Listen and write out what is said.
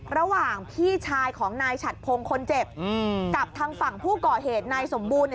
ระหว่างพี่ชายของนายฉัดพงศ์คนเจ็บกับทางฝั่งผู้ก่อเหตุนายสมบูรณ์